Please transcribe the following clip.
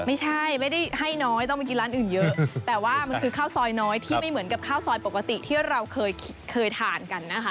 ไม่ใช่ไม่ได้ให้น้อยต้องไปกินร้านอื่นเยอะแต่ว่ามันคือข้าวซอยน้อยที่ไม่เหมือนกับข้าวซอยปกติที่เราเคยทานกันนะคะ